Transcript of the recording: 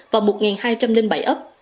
và một hai trăm linh bảy ấp